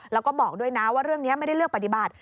แล้วก็บอกด้วยนะว่าเรื่องนี้ไม่ได้เลือกปฏิบัติ